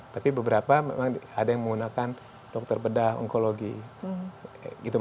tapi beberapa memang ada yang menggunakan dr bedah oncology